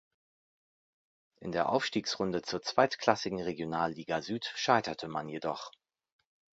In der Aufstiegsrunde zur zweitklassigen Regionalliga Süd scheiterte man jedoch.